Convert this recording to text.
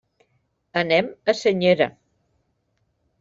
Anem a Senyera.